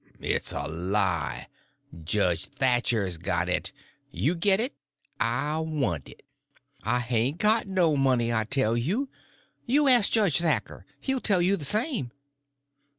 "It's a lie. Judge Thatcher's got it. You git it. I want it." "I hain't got no money, I tell you. You ask Judge Thatcher; he'll tell you the same."